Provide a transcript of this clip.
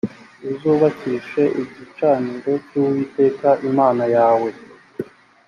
uzubakishe igicaniro cy uwiteka imana yawe